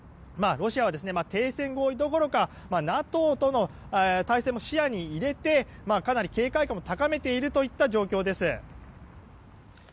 ロシアは停戦合意どころかＮＡＴＯとの対戦も視野に入れて、かなり警戒感を高めているといった状況です。